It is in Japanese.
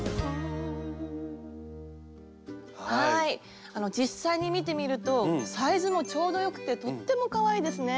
はい実際に見てみるとサイズもちょうどよくてとってもかわいいですね。